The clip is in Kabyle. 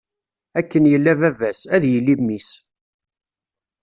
Akken yella baba-s, ad yili mmi-s.